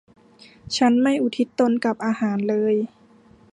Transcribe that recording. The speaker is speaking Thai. ฉันไม่อุทิศตนกับอาหารเลย